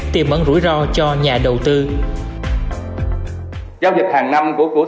tiềm ẩn rủi ro cho nhà đầu tư